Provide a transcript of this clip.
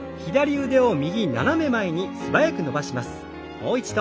もう一度。